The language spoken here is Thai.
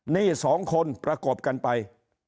นี่๒คนประกบกันไป